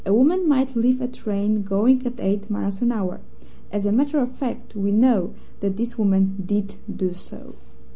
A woman might leave a train going at eight miles an hour. As a matter of fact, we know that this woman DID do so.